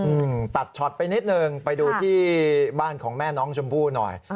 อืมตัดช็อตไปนิดนึงไปดูที่บ้านของแม่น้องชมพู่หน่อย